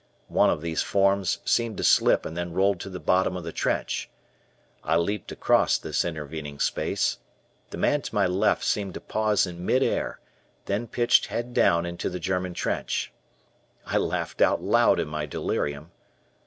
One of these forms seemed to slip and then rolled to the bottom of the trench. I leaped across this intervening space. The man to my left seemed to pause in mid air, then pitched head down into the German trench. I laughed out loud in my delirium.